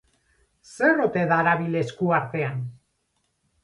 Zer ote darabil esku artean?